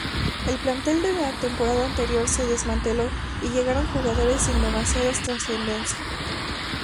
El plantel de la temporada anterior se desmanteló y llegaron jugadores sin demasiada trascendencia.